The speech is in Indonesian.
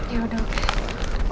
ya udah oke